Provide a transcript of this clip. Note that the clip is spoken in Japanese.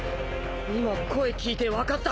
今声聞いて分かった。